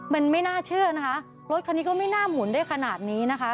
มันไม่น่าเชื่อนะคะรถคันนี้ก็ไม่น่าหมุนได้ขนาดนี้นะคะ